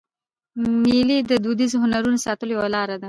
مېلې د دودیزو هنرونو د ساتلو یوه لاره ده.